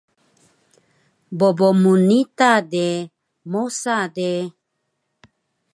Bobo mnita de mosa de